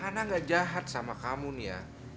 ana nggak jahat sama kamu nih ya